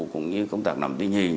cũng như công tác nằm tinh hình